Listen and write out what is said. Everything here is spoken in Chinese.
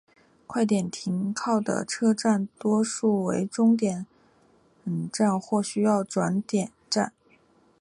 快车停靠的车站多数是端点站或主要转车点。